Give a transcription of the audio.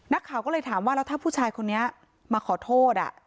นักข่าวก็เลยถามว่าแล้วถ้าผู้ชายคนนี้มาขอโทษ